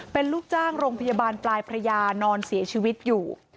เป็นลูกจ้างโรงพยาบาลปลายพระยานอนเสียชีวิตอยู่